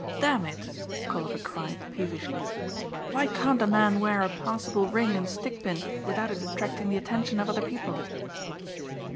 Damn it!" Colliver cried peevishly, "Why can't a man wear a passable ring and stickpin without it attracting the attention of other people?"